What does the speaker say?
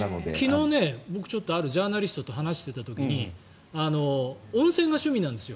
昨日、僕あるジャーナリストと話していた時に温泉が趣味なんですよ。